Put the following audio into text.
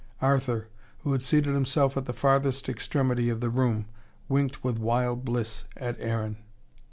Arthur, who had seated himself at the farthest extremity of the room, winked with wild bliss at Aaron.